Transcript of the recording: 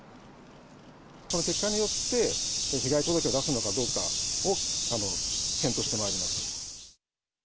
この結果によって、被害届を出すのかどうかを検討してまいります。